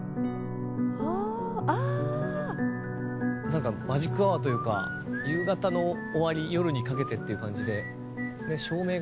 何かマジックアワーというか夕方の終わり夜にかけてっていう感じで。